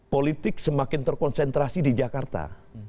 politik semakin terkonsentrasi di jakarta